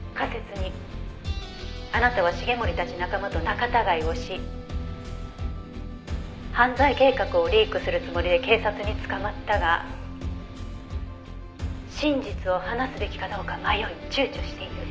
２あなたは繁森たち仲間と仲たがいをし犯罪計画をリークするつもりで警察に捕まったが真実を話すべきかどうか迷い躊躇している」